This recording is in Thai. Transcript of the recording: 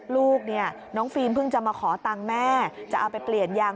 ลูกเนี่ยน้องฟิล์มเพิ่งจะมาขอตังค์แม่จะเอาไปเปลี่ยนยาง